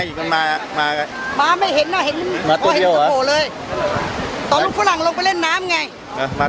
สุดท้ายก็ต้องเล่นท้าย